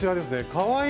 かわいい！